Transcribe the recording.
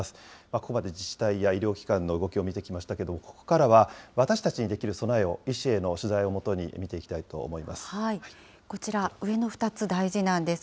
ここまで自治体や医療機関の動きを見てきましたけれども、ここからは、私たちにできる備えを医師への取材をもとに見ていきたいと思います。